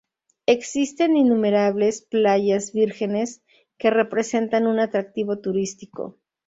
Existen innumerables playas vírgenes que representan un atractivo turístico.